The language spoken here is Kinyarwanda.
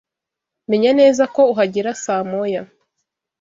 Menya neza ko uhagera saa moya.